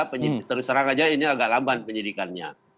penyidik tersangkanya ini agak lamban